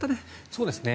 そうですね。